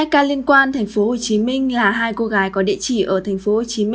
hai ca liên quan tp hcm là hai cô gái có địa chỉ ở tp hcm